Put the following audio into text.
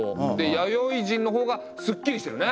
弥生人の方がすっきりしてるね。